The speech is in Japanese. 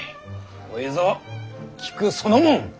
こいぞ菊そのもん！